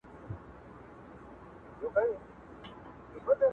پر ټگانو چى يې جوړ طلا باران كړ؛